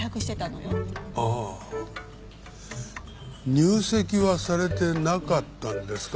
入籍はされてなかったんですか？